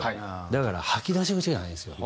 だから吐き出し口がないんですよ